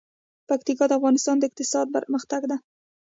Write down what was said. پکتیا د افغانستان د اقتصاد برخه ده.